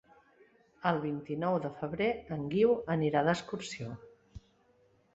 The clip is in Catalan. El vint-i-nou de febrer en Guiu anirà d'excursió.